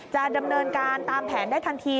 จะดำเนินการตามแผนได้ทันที